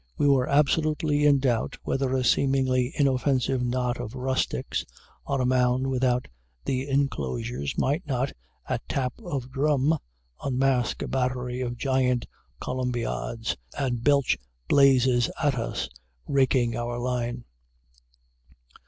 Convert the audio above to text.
We were absolutely in doubt whether a seemingly inoffensive knot of rustics, on a mound without the inclosures, might not, at tap of drum, unmask a battery of giant columbiads, and belch blazes at us, raking our line.